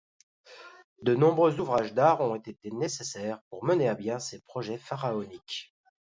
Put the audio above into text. De nombreux ouvrages d’arts ont été nécessaires pour mener à bien ces projets pharaoniques.